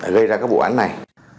gây ra các vụ án này